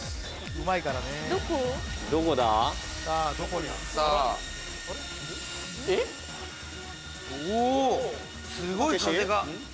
うおすごい！風が。